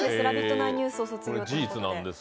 内ニュースを卒業ということです。